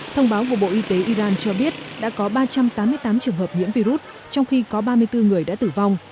thông báo của bộ y tế iran cho biết đã có ba trăm tám mươi tám trường hợp nhiễm virus trong khi có ba mươi bốn người đã tử vong